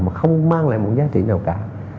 mà không mang lại một giá trị nào cả